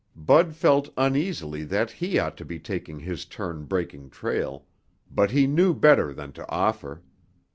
Bud felt uneasily that he ought to be taking his turn breaking trail, but he knew better than to offer.